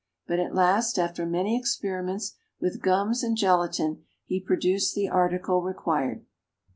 But at last, after many experiments with gums and gelatine, he produced the article required.